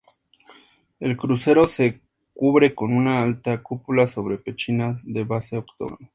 El crucero se cubre con una alta cúpula sobre pechinas de base octogonal.